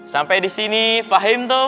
sampai di sini fahim tuh